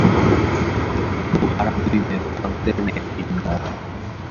উহারা দুই মেরুপ্রান্তের ন্যায় ভিন্ন।